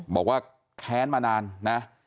บอกว่าแค้นมานานนะ